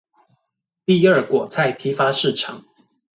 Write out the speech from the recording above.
第二果菜批發市場